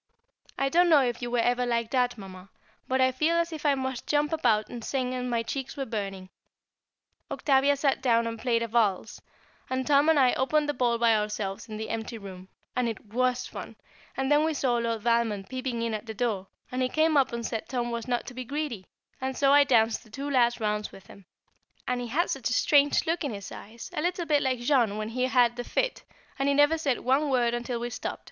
I don't know if you were ever like that, Mamma, but I felt as if I must jump about and sing, and my cheeks were burning. Octavia sat down and played a valse, and Tom and I opened the ball by ourselves in the empty room, and it was fun, and then we saw Lord Valmond peeping in at the door, and he came up and said Tom was not to be greedy, and so I danced the two last rounds with him, and he had such a strange look in his eyes, a little bit like Jean when he had the fit, and he never said one word until we stopped.